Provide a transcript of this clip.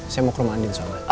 saya mau ke rumah andin soal